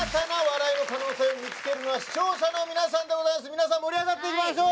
みなさん盛り上がっていきましょう。